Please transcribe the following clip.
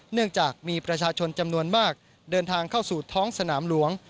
เนื่องจากมีประชาชนจำนวนมากเดินทางเข้าสู่ท้องสนามหลวง